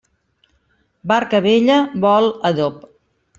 Barca vella vol adob.